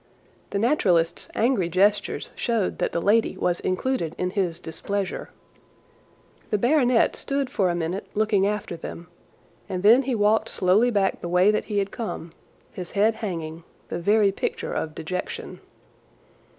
The naturalist's angry gestures showed that the lady was included in his displeasure. The baronet stood for a minute looking after them, and then he walked slowly back the way that he had come, his head hanging, the very picture of dejection.